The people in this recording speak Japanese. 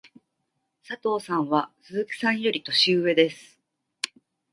佐藤さんは鈴木さんより年上です。